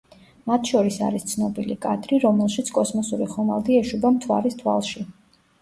მათ შორის არის ცნობილი კადრი, რომელშიც კოსმოსური ხომალდი ეშვება მთვარის თვალში.